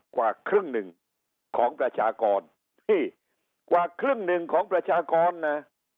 กว่าครึ่งหนึ่งของประชากรพี่กว่าครึ่งหนึ่งของประชากรนะ